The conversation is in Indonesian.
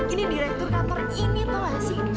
ini direktur kamar ini tau ga sih